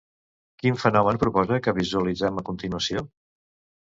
Quin fenomen proposa que visualitzem a continuació?